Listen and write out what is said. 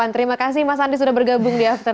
terima kasih mas andi sudah bergabung di after sepuluh